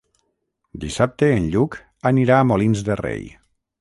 Dissabte en Lluc anirà a Molins de Rei.